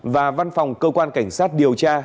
và văn phòng cơ quan cảnh sát điều tra